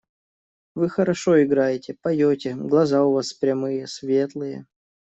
– Вы хорошо играете, поете, глаза у вас прямые, светлые.